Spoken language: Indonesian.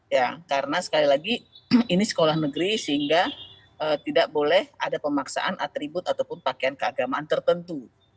ya karena sekali lagi ini sekolah negeri sehingga tidak boleh ada pemaksaan atribut ataupun pakaian keagamaan tertentu